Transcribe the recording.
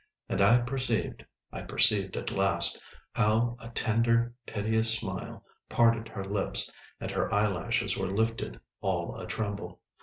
And I perceived, I perceived at last, how a tender, piteous smile parted her lips, and her eyelashes were lifted all a tremble.